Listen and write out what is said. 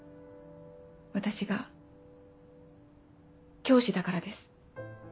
私が教師だからです。